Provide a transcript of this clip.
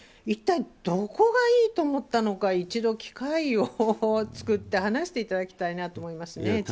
一体どこがいいと思ったのか一度機会を作って話していただきたいなと思いますね。